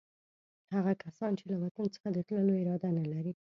هغه کسان چې له وطن څخه د تللو اراده نه لري.